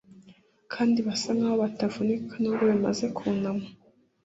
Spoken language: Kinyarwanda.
kandi basa nkaho batavunika; nubwo bimaze kunama